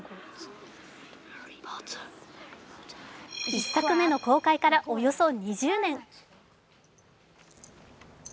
１作目の公開からおよそ２０年。